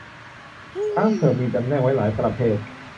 ช้างเผือกมีจำแนกไว้หลายประเภท